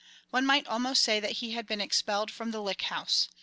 One might almost say that he had been expelled from the Lick House.